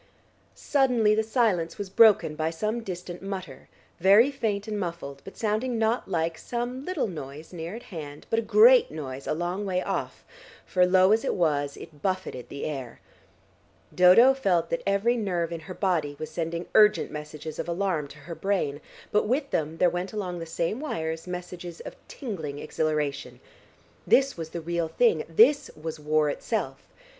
Suddenly the silence was broken by some distant mutter, very faint and muffled, but sounding not like some little noise near at hand, but a great noise a long way off, for low as it was, it buffeted the air. Dodo felt that every nerve in her body was sending urgent messages of alarm to her brain, but with them there went along the same wires messages of tingling exhilaration. This was the real thing: this was war itself.